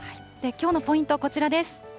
きょうのポイント、こちらです。